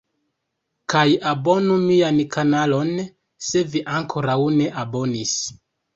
Kaj abonu mian kanalon se vi ankoraŭ ne abonis